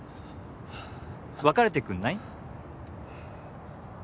別れてくんない？